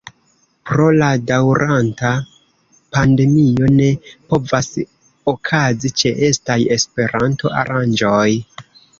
Pro la daŭranta pandemio ne povas okazi ĉeestaj Esperanto-aranĝoj.